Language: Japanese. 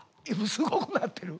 すごくなってる。